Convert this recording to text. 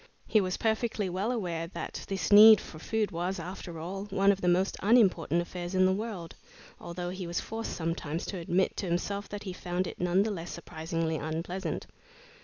He was perfectly well aware that this need for food was, after all, one of the most unimportant affairs in the world, although he was forced sometimes to admit to himself that he found it none the less surprisingly unpleasant.